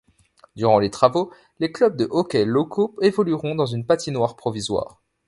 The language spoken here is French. Durant les travaux, les clubs de hockey locaux évolueront dans une patinoire provisoire.